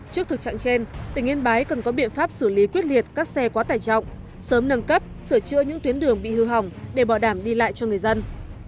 trước thực trạng trên tỉnh yên bái cần có biện pháp xử lý quyết liệt các xe quá tải trọng sớm nâng cấp sửa chữa những tuyến đường bị hư hỏng để bỏ đảm đi lại cho người dân